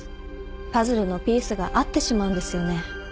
パズルのピースが合ってしまうんですよね。